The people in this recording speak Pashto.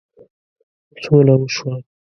سوله وشوه.